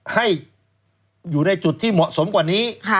ให้อยู่ในจุดที่เหมาะสมกว่านี้